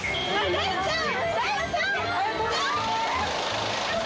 大ちゃん！